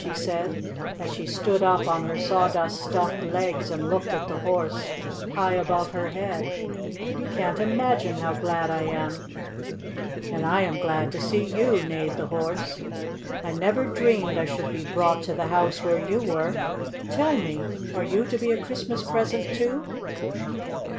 she said, as she stood up on her sawdust stuffed legs and looked at the Horse high above her head. "You can't imagine how glad I am!" "And I am glad to see you," neighed the Horse. "I never dreamed I should be brought to the house where you were. Tell me, are you to be a Christmas present, too?"